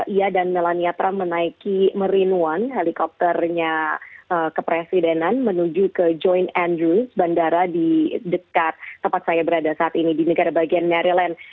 ia dan melania trump menaiki marine one helikopternya kepresidenan menuju ke joint andrew bandara di dekat tempat saya berada saat ini di negara bagian maryland